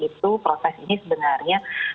itu proses ini sebenarnya